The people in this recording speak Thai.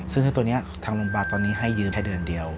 ซึ่งถ้าตัวนี้ทางโรงพยาบาลตอนนี้ให้ยืนแค่เดือนเดียว